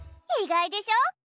意外でしょ？